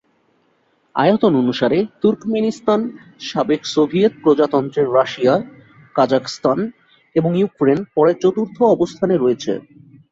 আয়তন অনুসারে তুর্কমেনিস্তান সাবেক সোভিয়েত প্রজাতন্ত্রের রাশিয়া, কাজাখস্তান এবং ইউক্রেন পরে চতুর্থ অবস্থানে রয়েছে।